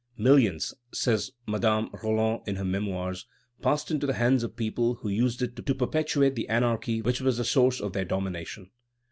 "Millions," says Madame Roland in her Memoirs, "passed into the hands of people who used it to perpetuate the anarchy which was the source of their domination."